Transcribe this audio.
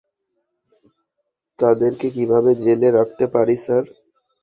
তাদেরকে কীভাবে জেলে রাখতে পারি, স্যার?